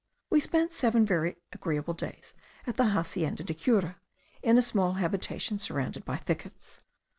We spent seven very agreeable days at the Hacienda da Cura, in a small habitation surrounded by thickets.